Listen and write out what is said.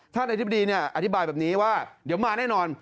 ท่านอธิบดีเนี่ยอธิบายแบบนี้ว่าเดี๋ยวมาแน่นอน